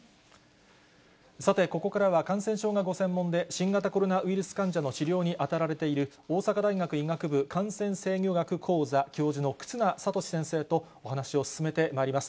さて、ここからは、感染症がご専門で、新型コロナウイルス患者の治療に当たられている、大阪大学医学部感染制御学講座教授の忽那賢志先生とお話を進めてまいります。